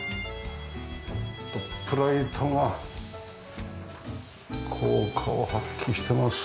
トップライトが効果を発揮してます。